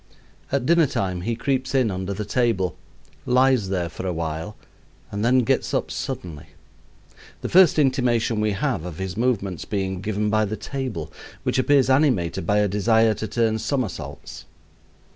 At dinner time he creeps in under the table, lies there for awhile, and then gets up suddenly; the first intimation we have of his movements being given by the table, which appears animated by a desire to turn somersaults.